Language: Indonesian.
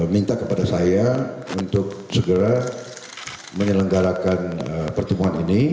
minta kepada saya untuk segera menyelenggarakan pertemuan ini